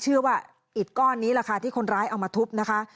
ว่าอิดก้อนนี้แหละค่ะที่คนร้ายเอามาทุบนะคะ